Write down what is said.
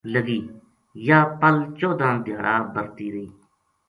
لگی یاہ پل چودہ دھیارہ برہتی رہی